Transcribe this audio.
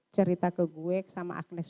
cerita ke gue sama agnes